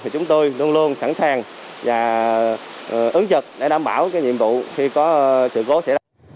chúng tôi luôn luôn sẵn sàng và ứng trực để đảm bảo nhiệm vụ khi có sự cố xảy ra